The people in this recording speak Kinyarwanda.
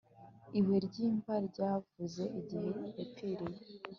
ibuye ry'imva ryavuze igihe yapfiriye